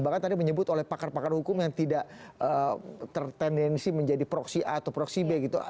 bahkan tadi menyebut oleh pakar pakar hukum yang tidak tertendensi menjadi proksi a atau proksi b gitu